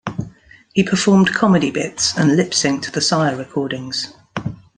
He performed comedy bits and lip-synced the Sire recordings.